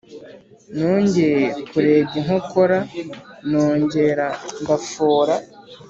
Nongeye kurega inkokora nongera ndafora